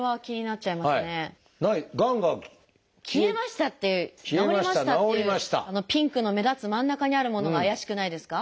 「消えました」って「治りました」ってピンクの目立つ真ん中にあるものが怪しくないですか？